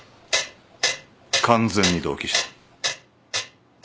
完全に同期した。